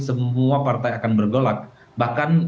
semua partai akan bergolak bahkan